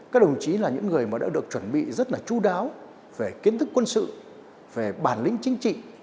các đồng chí là những người mà đã được chuẩn bị rất là chú đáo về kiến thức quân sự về bản lĩnh chính trị